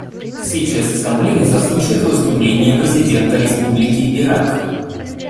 Сейчас Ассамблея заслушает выступление президента Республики Ирак.